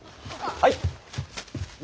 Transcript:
はい？